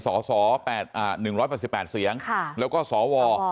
ส่อส่อแปดอ่าหนึ่งร้อยประสิบแปดเสียงค่ะแล้วก็ส่อวอ